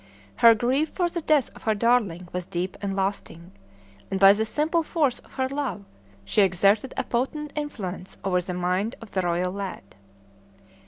Her grief for the death of her darling was deep and lasting, and by the simple force of her love she exerted a potent influence over the mind of the royal lad.